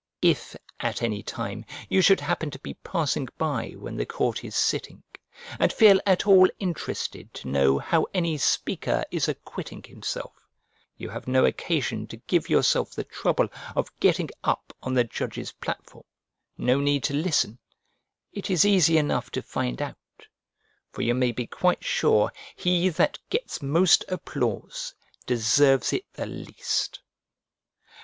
If, at any time, you should happen to be passing by when the court is sitting, and feel at all interested to know how any speaker is acquitting himself, you have no occasion to give yourself the trouble of getting up on the judge's platform, no need to listen; it is easy enough to find out, for you may be quite sure he that gets most applause deserves it the least.